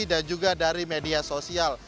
dan juga dari media sosial